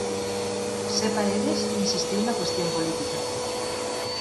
Zé Paredes insistiu na cuestión política.